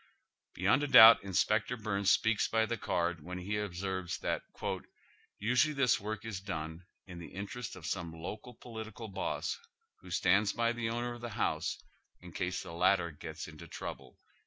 Beyond a doubt Inspector Byrnes speaks by the card when he observes that " usually this work is done in the interest of some local political boss, who stands by the owner of the house, in case the latter gets into trouble."